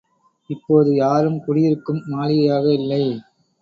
இப்போது யாரும் குடியிருக்கும் மாளிகையாக இல்லை.